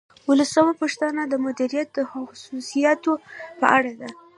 اوولسمه پوښتنه د مدیریت د خصوصیاتو په اړه ده.